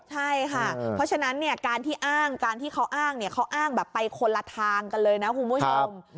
ใช่ค่ะเพราะฉะนั้นการที่เขาอ้างไปคนละทางกันเลยนะคุณผู้ชม